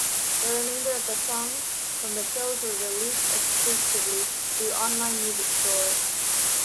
The remainder of songs from the shows were released exclusively through online music stores.